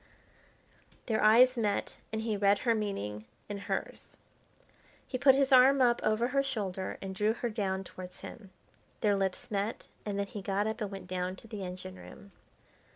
Their eyes met, and he read her meaning in hers. He put his arm up over her shoulder and drew her down towards him. Their lips met, and then he got up and went down to the engine room.